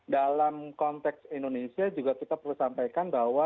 dalam konteks indonesia juga kita perlu sampaikan bahwa